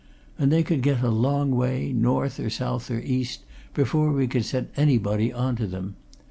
And they could get a long way, north or south or east, before we could set anybody on to them.